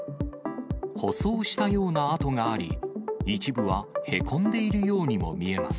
舗装したような跡があり、一部はへこんでいるようにも見えます。